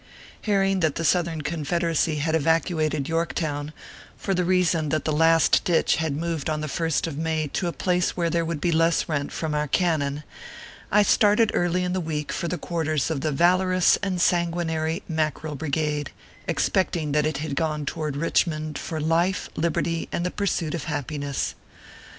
Hearing that the Southern Confederacy had evacu ated Yorktown, for the reason that the Last Ditch had moved on the first of May to a place where there would be less rent from our cannon, I started early in the week for the quarters of the valorous and san guinary Mackerel Brigade, expecting that it had gone toward Kichmond for life, liberty, and the pursuit of happiness.